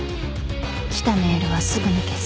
来たメールはすぐに消す